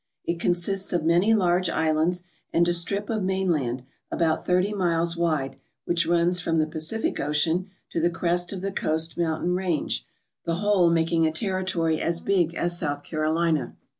It consists of many large isl^itids and a strip of mainland about thirty miles wide which runs from the Pacific Ocean to the crest of the coast mountain range, the whole making a territory as big as South Carolina.